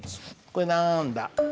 これなんだ？